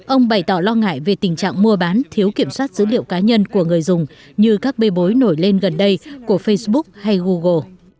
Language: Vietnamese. ông bày tỏ lo ngại về tình trạng mua bán thiếu kiểm soát dữ liệu cá nhân của người dùng như các bê bối nổi lên gần đây của facebook hay google